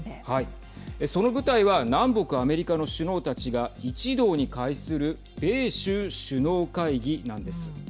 その舞台は南北アメリカの首脳たちが一堂に会する米州首脳会議なんです。